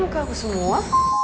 enak banget ya